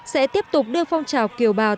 sẽ tiếp tục đưa phong trào kiều bào